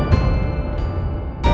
ayu dan bram